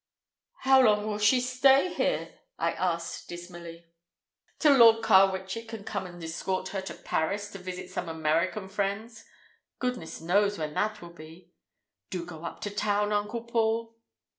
"How long will she stay here?" I asked dismally. "Till Lord Carwitchet can come and escort her to Paris to visit some American friends. Goodness knows when that will be! Do go up to town, Uncle Paul!"